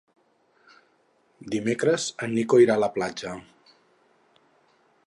Dimecres en Nico irà a la platja.